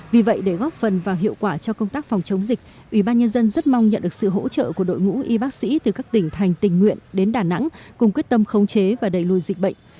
vì vậy để góp phần và hiệu quả cho công tác phòng chống dịch ubnd rất mong nhận được sự hỗ trợ của đội ngũ y bác sĩ từ các tỉnh thành tình nguyện đến đà nẵng cùng quyết tâm khống chế và đẩy lùi dịch bệnh